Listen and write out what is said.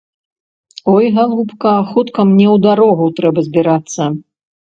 Ой, галубка, хутка мне ў дарогу трэба збірацца!